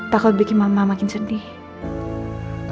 takut bikin mama makin sedih